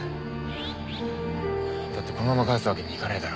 だってこのまま帰すわけにいかねえだろ。